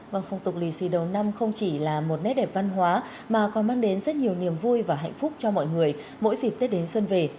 vâng phong tục lì xì đầu năm không chỉ là một nét đẹp văn hóa mà còn mang đến rất nhiều niềm vui và hạnh phúc cho mọi người mỗi dịp tết đến xuân về